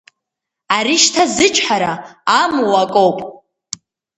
Ари шьҭа зычҳара амуа акоуп!